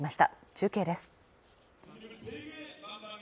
中継です。